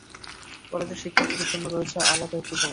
কলেজের শিক্ষার্থীদের জন্য রয়েছে আলাদা একটি ভবন।